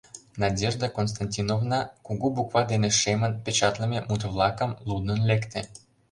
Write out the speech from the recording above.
Надежда Константиновна кугу буква дене шемын печатлыме мут-влакым лудын лекте: